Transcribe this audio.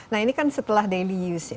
nah ini kan setelah daily use ya